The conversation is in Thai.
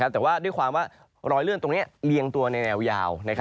แต่ว่าด้วยความว่ารอยเลื่อนตรงนี้เรียงตัวในแนวยาว